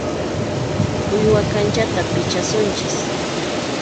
Uywa kanchata pichasunchis.